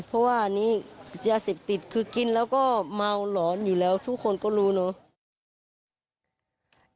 เพราะว่าอันนี้ยาเสพติดคือกินแล้วก็เมาหลอนอยู่แล้วทุกคนก็รู้เนอะ